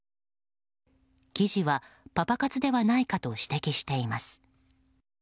記事はパパ活ではないかと指摘しています。